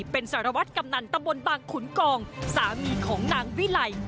เป็นสารวัตรกำนันตำบลบางขุนกองสามีของนางวิไล